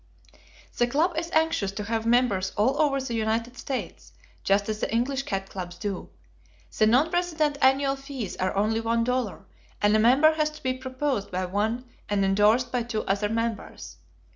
The club is anxious to have members all over the United States, just as the English cat clubs do. The non resident annual fees are only one dollar, and a member has to be proposed by one and endorsed by two other members.